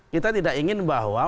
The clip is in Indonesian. kita tidak ingin bahwa